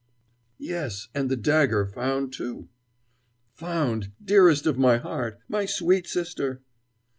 "Yes, and the dagger found, too!" "Found! dearest of my heart! my sweet sister!"